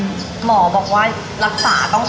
ลูกก็เค้าร้อง